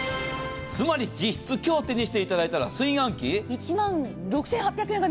つまり実質、今日手にしていただいたら炊飯器は１万６８００円。